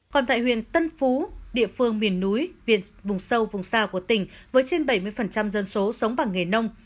còn tại huyện tân phú địa phương miền núi vùng sâu vùng xa của tỉnh với trên bảy mươi dân số sống bằng nghề nông